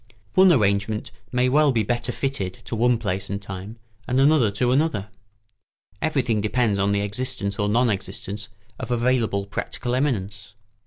One arrangement may well be better fitted to one place and time, and another to another. Everything depends on the existence or non existence of available practical eminence.